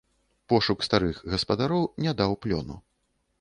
Пошук старых гаспадароў не даў плёну.